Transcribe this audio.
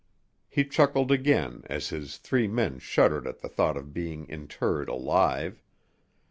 He chuckled again as his three men shuddered at the thought of being interred alive.